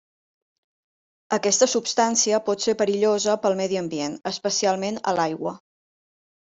Aquesta substància pot ser perillosa pel medi ambient, especialment a l'aigua.